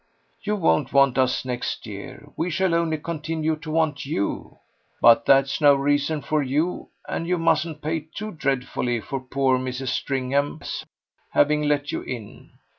You won't want us next year; we shall only continue to want YOU. But that's no reason for you, and you mustn't pay too dreadfully for poor Mrs. Stringham's having let you in.